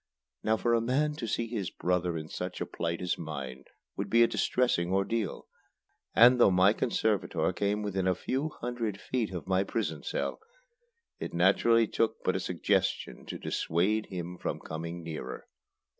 Now for a man to see his brother in such a plight as mine would be a distressing ordeal, and, though my conservator came within a few hundred feet of my prison cell, it naturally took but a suggestion to dissuade him from coming nearer.